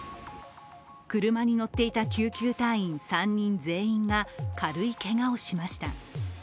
車に乗っていた救急隊員３人全員が軽いけがをしました。